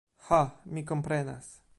Ha, mi komprenas.